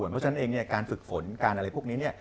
เพราะฉะนั้นเองการฝึกฝนการอะไรพวกนี้